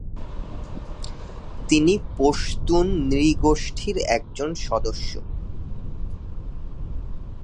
তিনি পশতুন নৃগোষ্ঠীর একজন সদস্য।